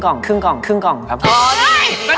ก็ดีเนอะเอามาขึ้นอีกสองชิ้น